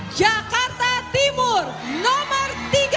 jakarta timur nomor tiga puluh